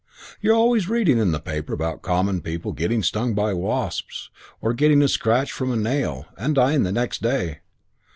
You're always reading in the paper about common people getting stung by wasps, or getting a scratch from a nail, and dying the next day.